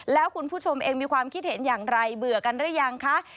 แล้วคุณผู้ชมเองมีความคิดเห็นอย่างไรเบื่อกันหรือยังคะ